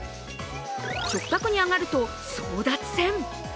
食卓に上がると争奪戦。